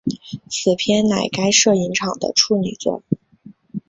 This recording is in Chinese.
此片乃该摄影场的处女作。